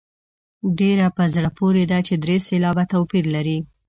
ډېره په زړه پورې ده چې درې سېلابه توپیر لري.